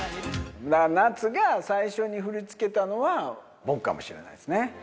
夏が最初に振り付けたのは、僕かもしれないですね。